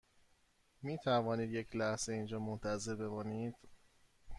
می توانید یک لحظه اینجا منتظر بمانید؟